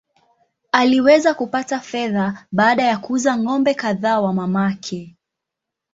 Aliweza kupata fedha baada ya kuuza ng’ombe kadhaa wa mamake.